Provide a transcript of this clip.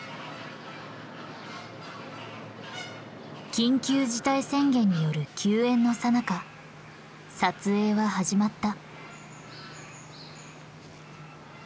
緊急事態宣言による休園のさなか撮影は始まった。